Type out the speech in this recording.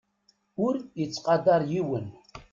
Ur ittqadar yiwen.